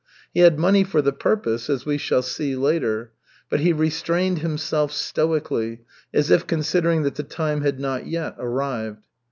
He had money for the purpose, as we shall see later. But he restrained himself stoically, as if considering that the time had not yet arrived.